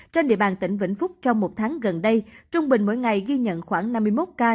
trên địa bàn tỉnh vĩnh phúc trong một tháng gần đây trung bình mỗi ngày ghi nhận khoảng năm mươi một ca